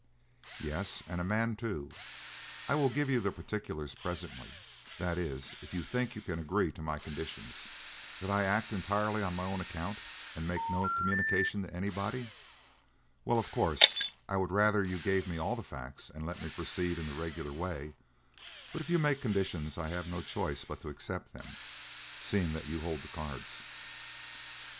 "Yes, and a man, too. I will give you the particulars presently that is, if you think you can agree to my conditions." "That I act entirely on my own account and make no communication to anybody? Well, of course, I would rather you gave me all the facts and let me proceed in the regular way; but if you make conditions I have no choice but to accept them, seeing that you hold the cards."